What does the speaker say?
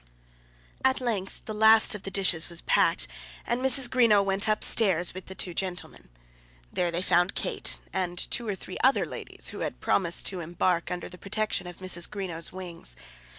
At length the last of the dishes was packed and Mrs. Greenow went up stairs with the two gentlemen. There they found Kate and two or three other ladies who had promised to embark under the protection of Mrs. Greenow's wings.